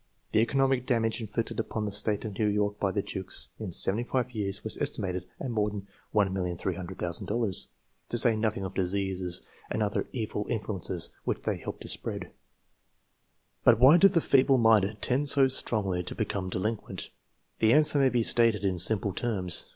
The economic damage inflicted upon the State of New York by the Jukes in seventy five years was esti mated at more than $1,300,000, to say nothing of diseases and other evil influences which they helped to spread. 1 But why do the feeble minded tend so strongly to be come delinquent? The answer may be stated in simple terms.